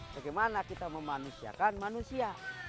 bagaimana kita memanusiakan manusia